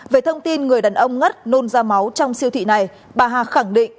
về thông tin người đàn ông ngắt nôn ra máu trong siêu thị này bà hà khẳng định